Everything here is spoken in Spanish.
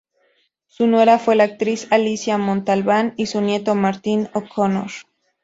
Su nuera fue la actriz Alicia Montalbán y su nieto Martín O'Connor.